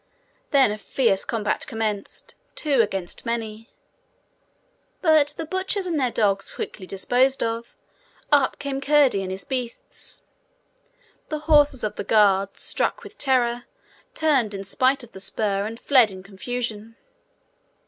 Then a fierce combat commenced two against many. But the butchers and their dogs quickly disposed of, up came Curdie and his beasts. The horses of the guard, struck with terror, turned in spite of the spur, and fled in confusion.